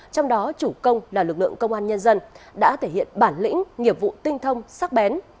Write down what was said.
trong đó chủ công là lực lượng công an nhân dân đã thể hiện bản lĩnh nghiệp vụ tinh thông sắc bén